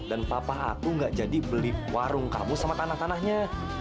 dan papa aku nggak jadi beli warung kamu sama tanah tanahnya